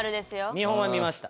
見本は見ました。